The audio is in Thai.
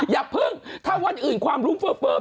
อย่าเพิ่งถ้าวันอื่นความรู้เฟิร์ม